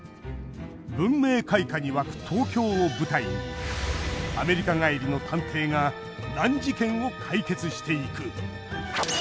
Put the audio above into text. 文明開化に沸く東京を舞台にアメリカ帰りの探偵が難事件を解決していく！